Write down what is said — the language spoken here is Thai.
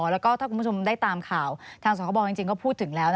แล้วก็ถ้าคุณผู้ชมได้ตามข่าวทางสคบจริงก็พูดถึงแล้ว